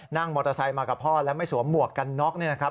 นั่งมอเตอร์ไซค์มากับพ่อและไม่สวมหมวกกันน็อกเนี่ยนะครับ